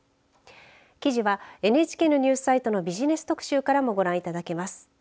記事はＮＨＫのニュースサイトのビジネス特集からもご覧いただけます。